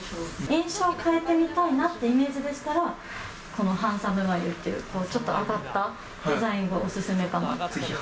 印象変えてみたいなっていうイメージでしたら、このハンサム眉っていう、ちょっと上がったデザインがお勧めかなと。